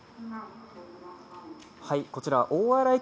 こちら、大洗駅